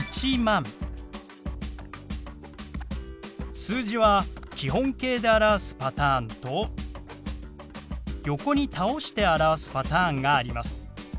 数字は基本形で表すパターンと横に倒して表すパターンがあります。